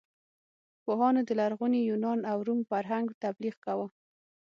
پوهانو د لرغوني یونان او روم فرهنګ تبلیغ کاوه.